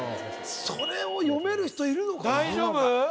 それを読める人いるのかな大丈夫？